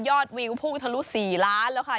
ยอดวิวภูมิทะลุ๔ล้านแล้วค่ะ